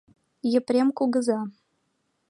Епрем кугыза.